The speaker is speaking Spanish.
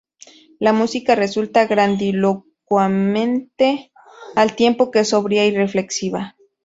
La música resulta grandilocuente, al tiempo que sobria y reflexiva.